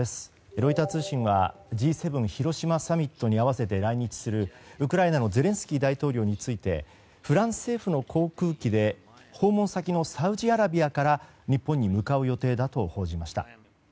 ロイター通信はＧ７広島サミットに合わせて来日するウクライナのゼレンスキー大統領についてフランス政府の航空機で訪問先のサウジアラビアから日本に向かう予定だと報じました。